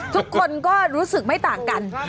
ทุกคนก็รู้สึกไม่ต่างกัน